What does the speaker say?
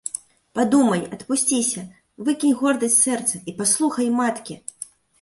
Падумай, адпусціся, выкінь гордасць з сэрца і паслухай маткі!